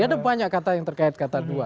ada banyak kata yang terkait kata dua